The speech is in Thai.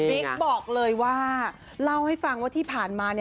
บอกเลยว่าเล่าให้ฟังว่าที่ผ่านมา